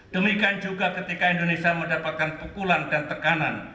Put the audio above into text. demikian juga ketika indonesia mendapatkan pukulan dan tekanan